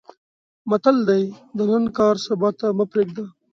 متل دی: د نن کار سبا ته مې پرېږده.